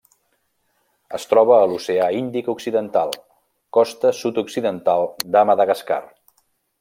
Es troba a l'Oceà Índic occidental: costa sud-occidental de Madagascar.